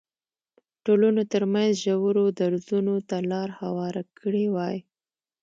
ټولنو ترمنځ ژورو درزونو ته لار هواره کړې وای.